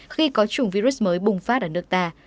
khi có chủng virus mới bùng phát ở nước ta